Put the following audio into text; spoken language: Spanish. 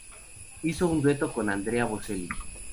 Hizo un dueto con Andrea Bocelli.